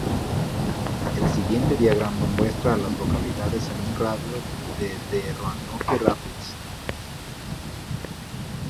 El siguiente diagrama muestra a las localidades en un radio de de Roanoke Rapids.